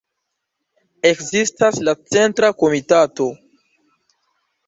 Ekzistas la Centra Komitato.